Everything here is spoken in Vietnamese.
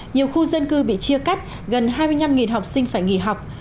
nhiều khu dân cư bị chia cắt gần hai mươi năm học sinh phải nghỉ học